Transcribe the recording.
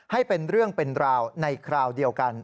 ให้เป็นเรื่องเป็นราวในคราวเดียวกัน